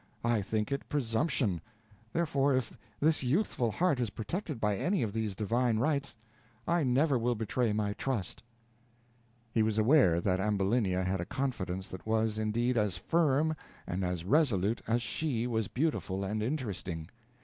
I think it presumption; therefore, if this youthful heart is protected by any of the divine rights, I never will betray my trust." He was aware that Ambulinia had a confidence that was, indeed, as firm and as resolute as she was beautiful and interesting.